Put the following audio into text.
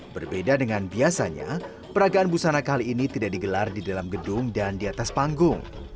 berbeda dengan biasanya peragaan busana kali ini tidak digelar di dalam gedung dan di atas panggung